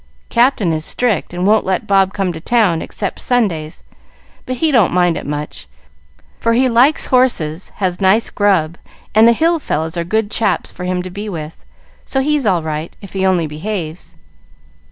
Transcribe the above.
Captain is strict, and won't let Bob come to town, except Sundays; but he don't mind it much, for he likes horses, has nice grub, and the Hill fellows are good chaps for him to be with. So he's all right, if he only behaves."